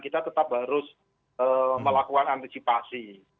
kita tetap harus melakukan antisipasi